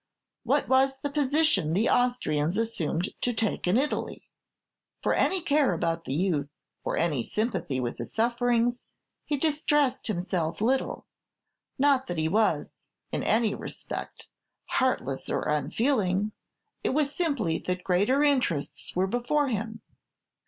what was the position the Austrians assumed to take in Italy? For any care about the youth, or any sympathy with his sufferings, he distressed himself little; not that he was, in any respect, heartless or unfeeling, it was simply that greater interests were before him.